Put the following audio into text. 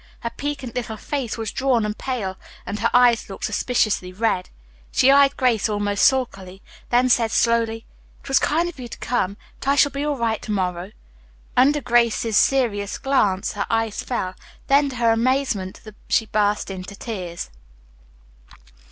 Her piquant little face was drawn and pale, and her eyes looked suspiciously red. She eyed Grace almost sulkily, then said slowly, "It was kind of you to come, but I shall be all right to morrow." Under Grace's serious glance her eyes fell, then, to her visitors' amazement, she burst into tears.